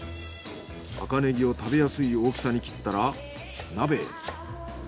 赤ネギを食べやすい大きさに切ったら鍋へ。